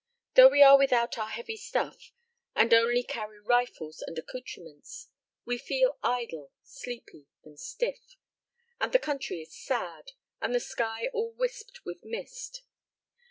Though we are without our heavy stuff, and only carry rifles and accouterments, we feel idle, sleepy, and stiff; and the country is sad, and the sky all wisped with mist.